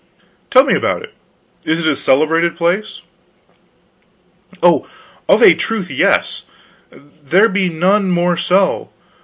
"Tell me about it. Is it a celebrated place?" "Oh, of a truth, yes. There be none more so.